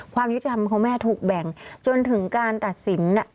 ความยุติธรรมของแม่ถูกแบ่งจนถึงการตัดสิน